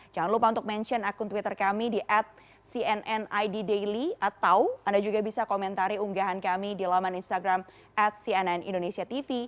jangan lupa untuk mention akun twitter kami di at cnn id daily atau anda juga bisa komentari unggahan kami di laman instagram at cnn indonesia tv